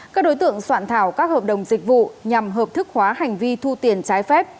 các đối tượng soạn thảo các hợp đồng dịch vụ nhằm hợp thức hóa hành vi thu tiền trái phép